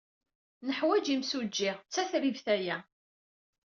Neḥwaj imsujji. D tatribt aya.